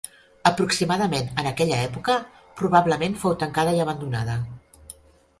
Aproximadament en aquella època, probablement fou tancada i abandonada.